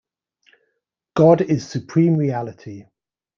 God is supreme reality.